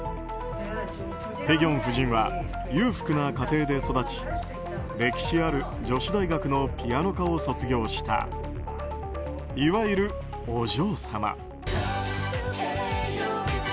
ヘギョン夫人は裕福な家庭で育ち歴史ある女子大学のピアノ科を卒業したいわゆるお嬢様。